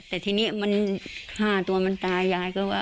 แต่ทีนี้มัน๕ตัวมันตายยายก็ว่า